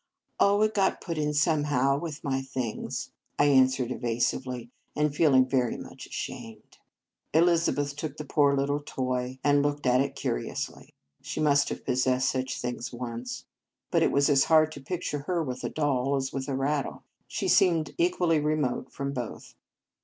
" Oh, it got put in somehow with my things," I answered evasively, and feeling very much ashamed. Elizabeth took the poor little toy, and looked at it curiously. She must have possessed such things once, but it was as hard to picture her with a doll as with a rattle. She seemed equally remote from both.